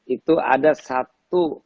itu ada satu